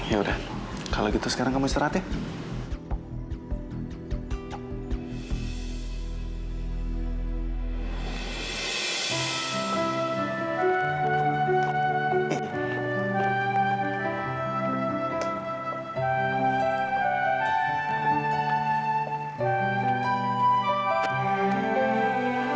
yaudah kalau gitu sekarang kamu istirahat ya